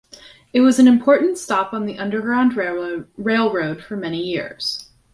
It was an important stop on the Underground Railroad for many years.